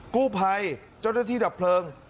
กู้ภัยเจ้าหน้าที่ดับเพลิง